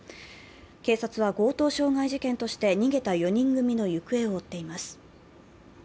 警察は強盗傷害事件として逃げた４人組の行方を追っています。